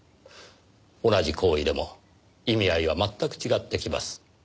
同じ行為でも意味合いは全く違ってきます。